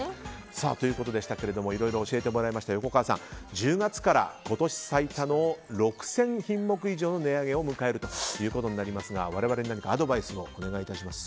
いろいろ教えてもらいました横川さん、１０月から今年最多の６０００品目以上の値上げを迎えるということになりますが我々に何かアドバイスをお願いいたします。